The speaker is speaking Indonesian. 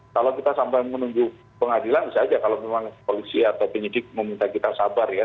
kalau kita sampai menunggu pengadilan bisa aja kalau memang polisi atau penyidik meminta kita sabar ya